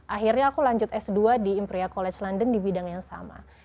akhirnya aku lanjut s dua di imperia college london di bidang yang sama